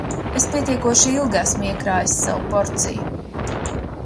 "Es pietiekoši ilgi esmu "iekrājis" savu porciju."